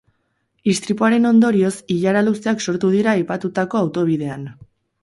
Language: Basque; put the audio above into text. Istripuaren ondorioz ilara luzeak sortu dira aipatutako autobidean.